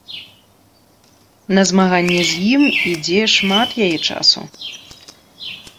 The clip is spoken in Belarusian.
На змаганне з ім ідзе шмат яе часу.